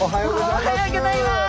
おはようギョざいます！